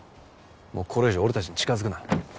もうこれ以上俺たちに近づくな。